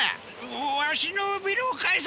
わしのビルを返せ！